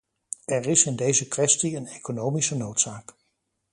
Er is in deze kwestie een economische noodzaak.